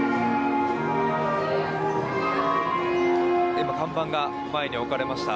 今、看板が前に置かれました。